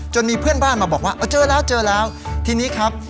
มีเพื่อนบ้านมาบอกว่าเออเจอแล้วเจอแล้วทีนี้ครับ